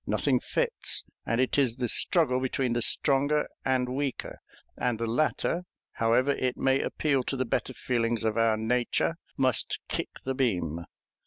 Nothing fits, and it is the struggle between the stronger and weaker; and the latter, however it may appeal to the better feelings of our nature, must kick the beam.